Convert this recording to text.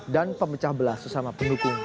dan pemecah belas sesama pendukung dua ratus dua belas